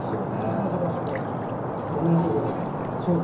同じ場所でね。